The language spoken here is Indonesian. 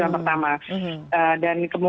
oke super ofex olabilir yang bagus